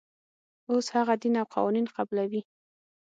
اوس هغه دین او قوانین قبلوي.